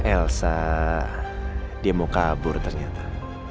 elsa dia mau kabur ternyata